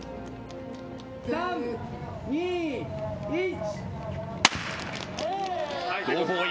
３、２、１。